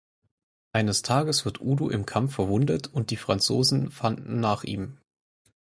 Eines Tages wird Udo im Kampf verwundet und die Franzosen fahnden nach ihm.